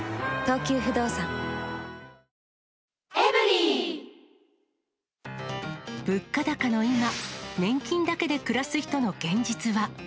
サントリーから物価高の今、年金だけで暮らす人の現実は。